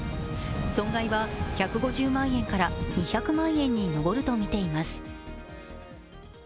損害は１５０万円から２００万円に上るとみています。